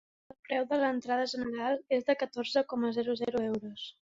El preu de l’entrada general és de catorze coma zero zero euros.